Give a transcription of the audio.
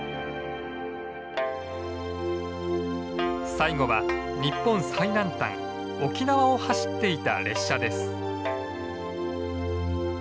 最後は日本最南端沖縄を走っていた列車です。